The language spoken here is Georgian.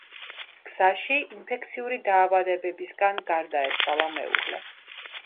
გზაში ინფექციური დაავადებისგან გარდაეცვალა მეუღლე.